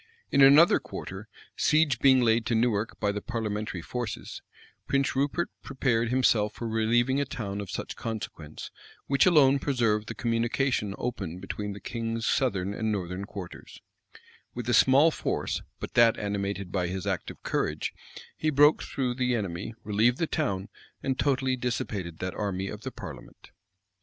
In another quarter, siege being laid to Newark by the parliamentary forces, Prince Rupert prepared himself for relieving a town of such consequence, which alone preserved the communication open between the king's southern and northern quarters.[] With a small force, but that animated by his active courage, he broke through the enemy, relieved the town, and totally dissipated that army of the parliament. * Rush. vol. vi. p. 615. Rush. vol. vi. p. 618. Rush. vol. vi. p. 620. Rush. vol. vi. p.